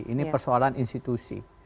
ini persoalan institusi